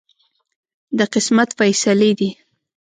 د قسمت فیصلې دي.